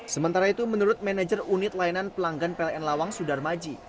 sementara itu menurut manajer unit layanan pelanggan pln lawang sudar maji